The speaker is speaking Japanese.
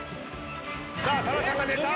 さあ紗来ちゃんが寝た。